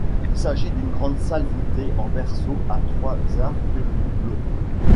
Il s'agit d'une grande salle voûtée en berceau à trois arcs-doubleaux.